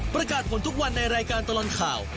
ประกาศผลทุกวันในรายการตลอดข่าว